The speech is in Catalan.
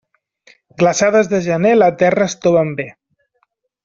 Glaçades de gener la terra estoven bé.